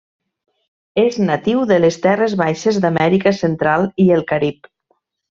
És natiu de les terres baixes d'Amèrica central i el Carib.